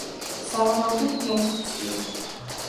სავარაუდოდ ფერს ვცვლით.